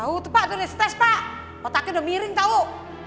otaknya udah miring tau